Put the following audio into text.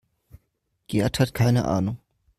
Gerd hat keine Ahnung.